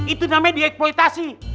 itu namanya diekploitasi